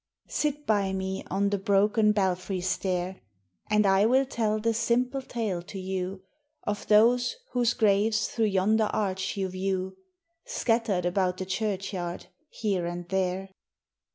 Sit by me on the broken belfry stair, And I will tell the simple tale to you Of those whose graves through yonder arch you view, Scattered about the churchyard, here and there.